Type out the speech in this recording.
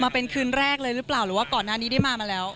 มาเป็นครั้งแรกหรือเปล่าหรือว่าก่อนอนนี้ได้มามาแล้ว